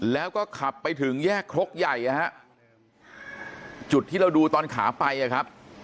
แล้วก็ขับไปถึงแยกครกใหญ่นะฮะจุดที่เราดูตอนขาไปอ่ะครับ